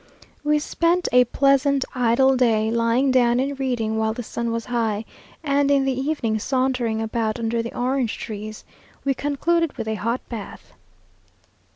We spent a pleasant, idle day, lying down and reading while the sun was high, and in the evening sauntering about under the orange trees. We concluded with a hot bath.